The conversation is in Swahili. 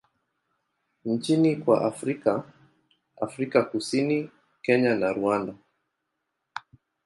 nchini kwa Afrika Afrika Kusini, Kenya na Rwanda.